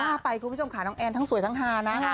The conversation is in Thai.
ว่าไปคุณผู้ชมค่ะน้องแอนทั้งสวยทั้งฮานะ